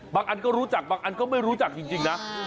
อันก็รู้จักบางอันก็ไม่รู้จักจริงนะ